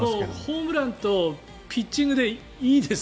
ホームランとピッチングでいいです。